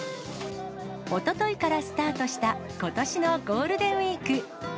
おとといからスタートしたことしのゴールデンウィーク。